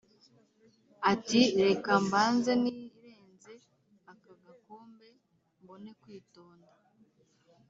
ati « reka mbanze nirenze aka gakombe, mbone kwitonda !